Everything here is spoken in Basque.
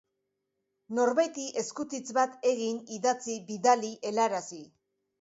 Norbaiti eskutitz bat egin, idatzi, bidali, helarazi.